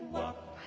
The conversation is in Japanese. はい。